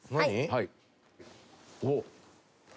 はい。